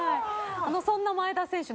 そんな前田選手の。